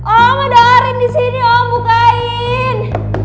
om ada arin di sini om bukain